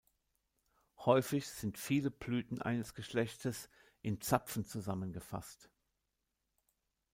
Häufig sind viele Blüten eines Geschlechtes in Zapfen zusammengefasst.